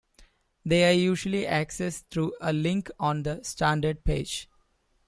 They are usually accessed through a link on the standard page.